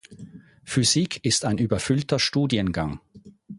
Physik ist ein überfüllter Studiengang.